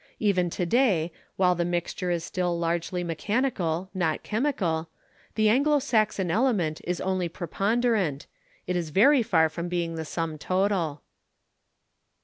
Even to day, while the mixture is still largely mechanical not chemical, the Anglo Saxon element is only preponderant; it is very far from being the sum total.